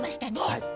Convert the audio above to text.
はい。